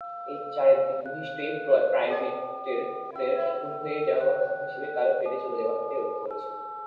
এই চারিত্রিক বৈশিষ্ট্যই প্রাইমেটদের খুন হয়ে যাওয়া বা খাদ্য হিসেবে কারো পেটে চলে যাবার হাত থেকে রক্ষা করেছিল।